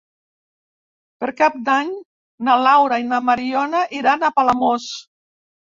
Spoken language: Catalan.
Per Cap d'Any na Laura i na Mariona iran a Palamós.